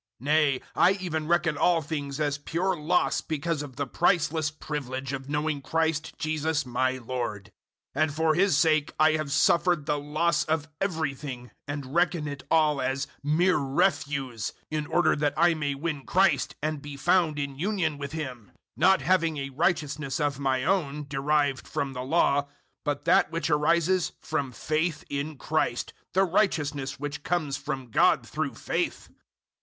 003:008 Nay, I even reckon all things as pure loss because of the priceless privilege of knowing Christ Jesus my Lord. And for His sake I have suffered the loss of everything, and reckon it all as mere refuse, in order that I may win Christ and be found in union with Him, 003:009 not having a righteousness of my own, derived from the Law, but that which arises from faith in Christ the righteousness which comes from God through faith.